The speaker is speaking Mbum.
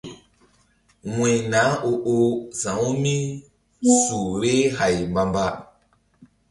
Wuy nah o-oh sa̧wu mí su vbeh hay mbamba.